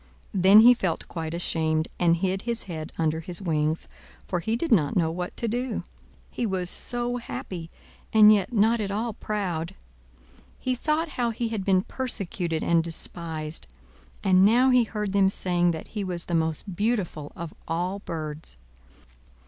Then he felt quite ashamed, and hid his head under his wings, for he did not know what to do; he was so happy, and yet not at all proud. He thought how he had been persecuted and despised; and now he heard them saying that he was the most beautiful of all birds.